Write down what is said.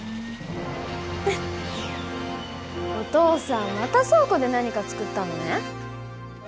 お父さんまた倉庫で何か作ったのね。